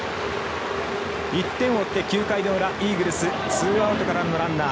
１点を追って９回の裏イーグルスツーアウトからのランナー。